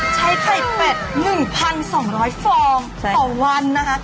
ใช้ไข่เป็ด๑๒๐๐ฟองต่อวันนะคะ